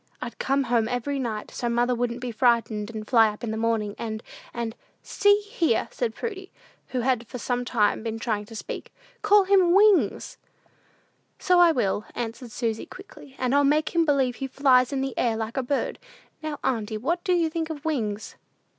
I'd come home every night, so mother wouldn't be frightened, and fly up in the morning, and and " "See here," said Prudy, who had for some time been trying to speak; "call him Wings!" "So I will," answered Susy, quickly, "and I'll make believe he flies in the air like a bird. Now, auntie, what do you think of Wings?"